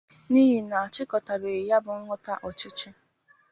n'ihi na a chịkọ̀tàbèghị̀ ya bụ nhọpụta ọchịchị